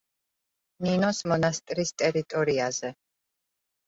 ნინოს მონასტრის ტერიტორიაზე.